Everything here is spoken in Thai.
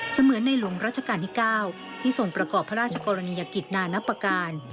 เหมือนในหลวงราชการที่๙ที่ทรงประกอบพระราชกรณียกิจนานับประการ